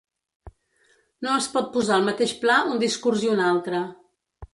No es pot posar al mateix pla un discurs i un altre.